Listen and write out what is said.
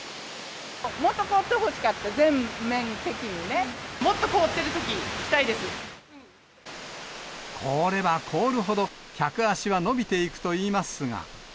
もっと凍ってほしかった、もっと凍ってるとき、凍れば凍るほど客足は伸びていくといいますが。